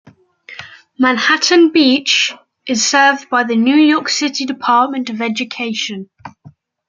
Manhattan Beach is served by the New York City Department of Education.